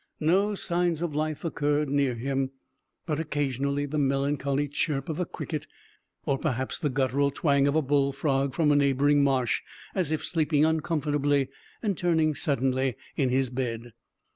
No signs of life occurred near him, but occasionally the melancholy chirp of a cricket, or perhaps the guttural twang of a bullfrog from a neighboring marsh, as if sleeping uncomfortably, and turning suddenly in his bed.